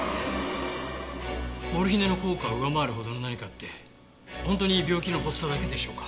モルヒネの効果を上回るほどの何かって本当に病気の発作だけでしょうか？